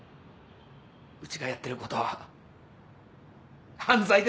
うちがやってることは犯罪です。